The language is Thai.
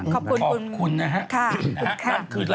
ขอบคุณค่ะ